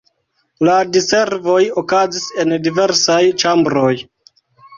La diservoj okazis en diversaj ĉambroj.